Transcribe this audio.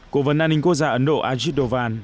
cố vấn an ninh quốc gia ấn độ ajit dovan